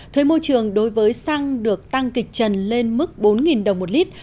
thuế môi trường đối với xăng được tăng kịch trần lên mức bốn đồng một lít